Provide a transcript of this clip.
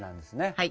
はい。